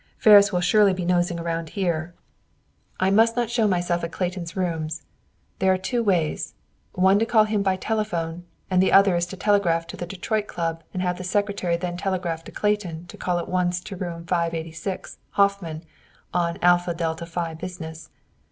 "Ferris will surely be nosing around here. I must not show myself at Clayton's rooms. There are two ways: one to call him by telephone, and the other is to telegraph to the Detroit Club and have the Secretary then telegraph to Clayton to call at once at Room 586, Hoffman, on 'Alpha Delta Phi' business.